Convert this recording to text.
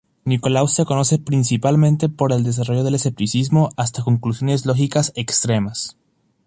Nicolaus se conoce principalmente por el desarrollo del escepticismo hasta conclusiones lógicas extremas.